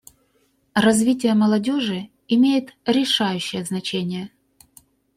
Развитие молодежи имеет решающее значение.